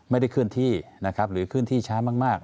ไม่ได้เคลื่อนที่นะครับหรือเคลื่อนที่ช้ามาก